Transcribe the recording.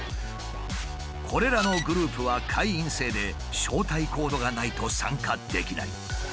これらのグループは会員制で招待コードがないと参加できない。